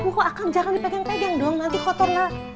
aduh aku akan jangan dipegang pegang dong nanti kotor